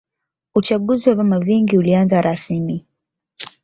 uchaguzi wa vyama vingi ulianza rasimi